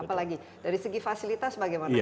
apalagi dari segi fasilitas bagaimana